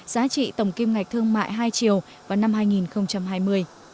giá trị tổng kim ngạch thương mại hai triệu vào năm hai nghìn hai mươi